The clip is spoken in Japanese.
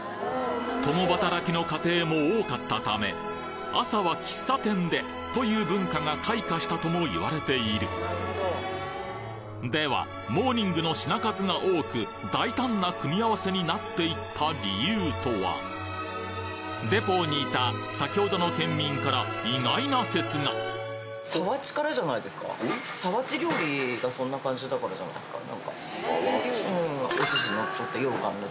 共働きの家庭も多かったため「朝は喫茶店で」という文化が開花したとも言われているではモーニングの品数が多く大胆な組み合わせになっていった理由とはデポーにいたさきほどの県民から意外な説がみたいな感じですね。